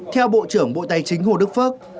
theo bộ trưởng bộ tài chính hồ đức phước